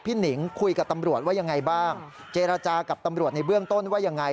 หนิงคุยกับตำรวจว่ายังไงบ้างเจรจากับตำรวจในเบื้องต้นว่ายังไง